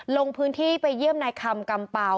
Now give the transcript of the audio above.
ลงพื้นที่ไปเยี่ยมนายคำกำเป่า